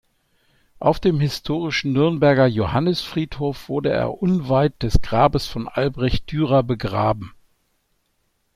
Auf dem historischen Nürnberger Johannisfriedhof wurde er unweit des Grabes von Albrecht Dürer begraben.